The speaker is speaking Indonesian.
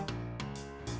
hanya ada satu makanan